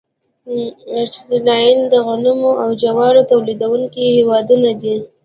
ارجنټاین د غنمو او جوارو تولیدونکي هېوادونه دي.